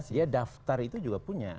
dia daftar itu juga punya